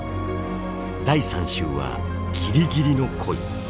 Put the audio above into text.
第３集は「ギリギリの恋」。